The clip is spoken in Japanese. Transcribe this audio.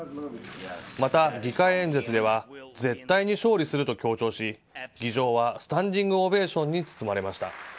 また議会演説では絶対に勝利すると強調し、議場はスタンディングオベーションに包まれました。